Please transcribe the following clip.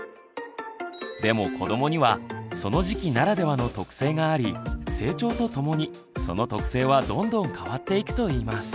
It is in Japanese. でも子どもにはその時期ならではの特性があり成長とともにその特性はどんどん変わっていくといいます。